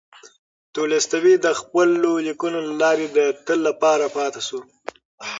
تولستوی د خپلو لیکنو له لارې د تل لپاره پاتې شو.